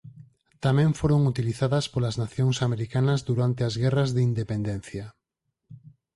Tamén foron utilizadas polas nacións americanas durante as guerras de Independencia.